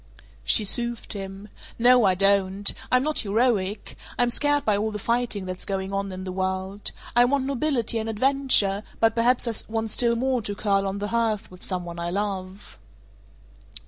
She soothed him. "No, I don't. I'm not heroic. I'm scared by all the fighting that's going on in the world. I want nobility and adventure, but perhaps I want still more to curl on the hearth with some one I love."